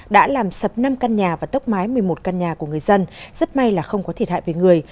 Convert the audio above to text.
đã làm sập năm căn nhà và tốc mái một mươi một căn nhà của người dân rất may là không có thiệt hại về người